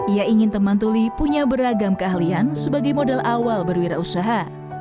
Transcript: ia ingin teman tuli punya beragam keahlian sebagai modal awal berwirausaha